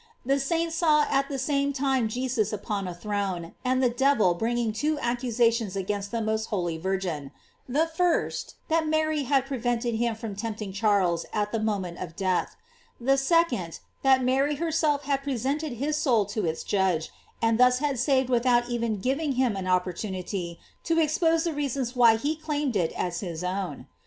The saint saw at the same time Jesus upon a throne, and the devil bringing two accusations against the most holy Virgin: the first, that Mary had prevented him from tempting Charles at the moment of death; the second, that Mary herself had presented his soul to its judge, and thus had saved without even giving him an opportu nity to expose the reasons why he claimed it as his own.